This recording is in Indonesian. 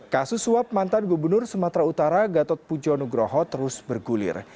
kasus suap mantan gubernur sumatera utara gatot pu jono groho terus bergulir